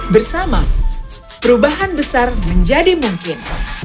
bersama perubahan besar menjadi mungkin